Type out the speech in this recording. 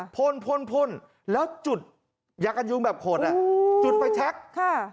พ่นพ่นแล้วจุดยักษ์กระยุงแบบโหดอ่ะอู่จุดไฟแช็็กค่ะ